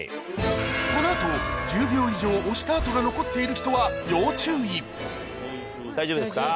この後１０秒以上押した痕が残っている人は要注意大丈夫ですか？